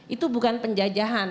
itu bukan penjajahan